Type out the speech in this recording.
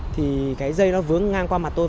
thì cái dây nó vướng ngang qua mặt tôi